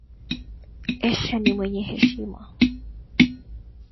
Asha ni mwenye heshima.